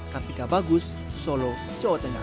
kartika bagus solo jawa tengah